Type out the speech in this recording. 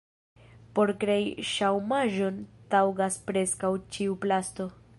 Por krei ŝaumaĵon taŭgas preskaŭ ĉiu plasto.